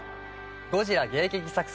ゴジラ迎撃作戦。